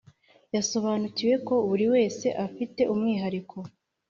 yasobanukiwe ko buri wese afite umwihariko